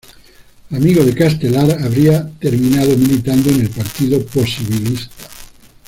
Amigo de Castelar, habría terminado militando en el Partido Posibilista.